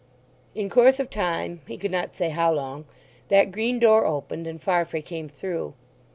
In course of time—he could not say how long—that green door opened and Farfrae came through.